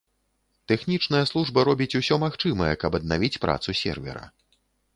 Тэхнічная служба робіць усё магчымае, каб аднавіць працу сервера.